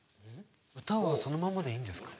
歌はそのままでいいんですか？